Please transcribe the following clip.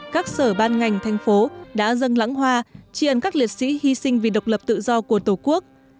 các sở ban ngành thành phố đã dâng lãng hoa tri ân các liệt sĩ hy sinh vì độc lập tự do của tổ quốc